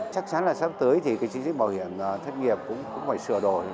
chắc chắn là sắp tới thì chính sách bảo hiểm thất nghiệp cũng phải sửa đổi